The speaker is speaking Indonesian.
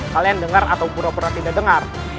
kalian dengar atau pura pura tidak dengar